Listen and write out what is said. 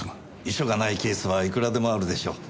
遺書がないケースはいくらでもあるでしょう。